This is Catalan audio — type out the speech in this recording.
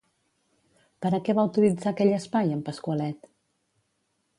Per a què va utilitzar aquell espai, en Pasqualet?